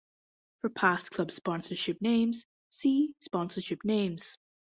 For past club sponsorship names, see sponsorship names.